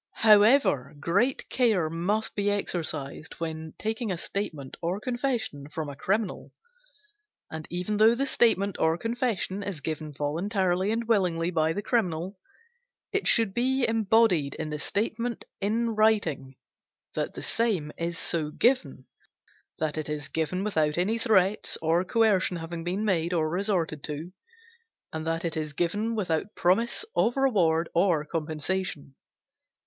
However, great care must be exercised when taking a statement or confession from a criminal, and even though the statement or confession is given voluntarily and willingly by the criminal, it should be embodied in the statement in writing that the same is so given, that it is given without any threats or coercion having been made or resorted to, and that it is given without promise of reward or compensation.